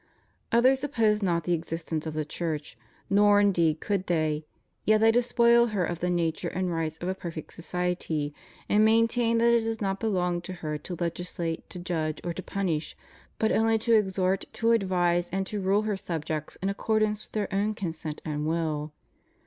Others oppose not the existence of the Church, nor indeed could they; yet they despoil her of the nature and rights of a perfect society, and maintain that it does not belong to her to legislate, to judge, or to punish, but only to exhort, to advise, and to rule her subjects in accordance with their own consent and will.